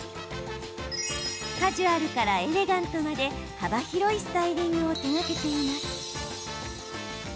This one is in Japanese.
カジュアルからエレガントまで幅広いスタイリングを手がけています。